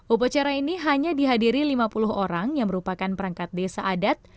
upacara ini hanya dihadiri lima puluh orang yang merupakan perangkat desa adat